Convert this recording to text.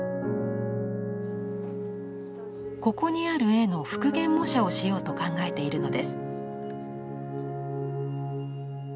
ここにある絵の復元模写をしようと考えているのです。